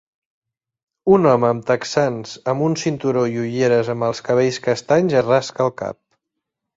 Un home amb texans amb un cinturó i ulleres amb els cabells castanys es rasca el cap